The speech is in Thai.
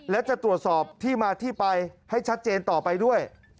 และจะตรวจสอบที่มาที่ไปให้ชัดเจนต่อไปด้วย